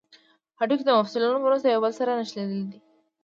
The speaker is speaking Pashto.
هډوکي د مفصلونو په مرسته یو بل سره نښلیدلي دي